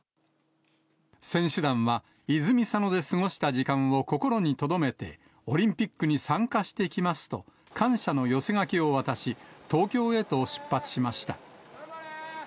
選手団は泉佐野で過ごした時間を心にとどめて、オリンピックに参加してきますと、感謝の寄せ書きを渡し、東京へと出発しました。